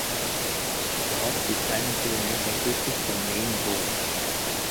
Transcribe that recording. Der Ort liegt einen Kilometer südlich von Meyenburg.